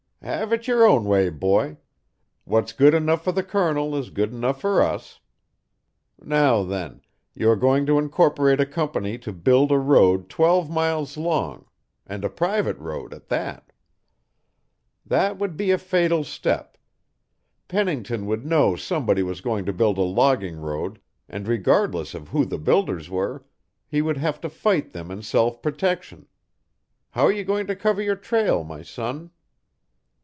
"Have it your own way, boy. What's good enough for the Colonel is good enough for us. Now, then, you are going to incorporate a company to build a road twelve miles long and a private road, at that. That would be a fatal step. Pennington would know somebody was going to build a logging road, and regardless of who the builders were, he would have to fight them in self protection. How are you going to cover your trail, my son?"